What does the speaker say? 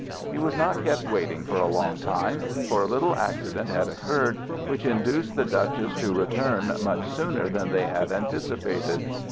He was not kept waiting for a long time; for a little accident had occurred which induced the Duchess to return much sooner than they had anticipated.